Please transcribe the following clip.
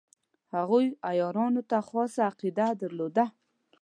هغوی عیارانو ته خاصه عقیده درلوده.